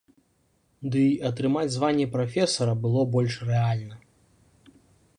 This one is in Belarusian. Дый атрымаць званне прафесара было больш рэальна.